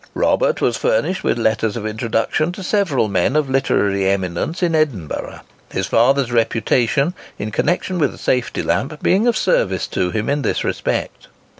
Robert was furnished with letters of introduction to several men of literary eminence in Edinburgh; his father's reputation in connexion with the safety lamp being of service to him in this respect.